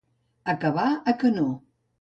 Acabar a Canor.